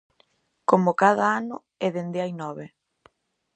Como cada ano e dende hai nove.